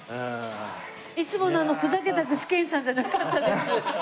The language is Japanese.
いつものあのふざけた具志堅さんじゃなかったです。